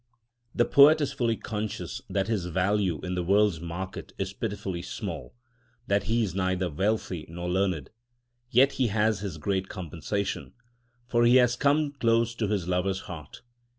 The poet is fully conscious that his value in the world's market is pitifully small; that he is neither wealthy nor learned. Yet he has his great compensation, for he has come close to his Lover's heart.